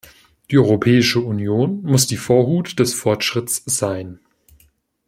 Die Europäische Union muss die Vorhut des Fortschritts sein.